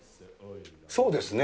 そうですね。